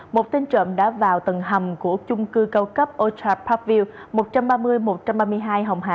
một tên trộm đã vào tầng hầm của chung cư cao cấp ultra parkview một trăm ba mươi một trăm ba mươi hai hồng hà